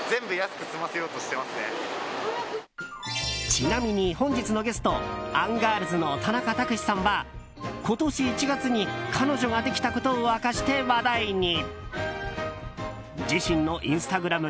ちなみに、本日のゲストアンガールズの田中卓志さんは今年１月に彼女ができたことを明かして話題に。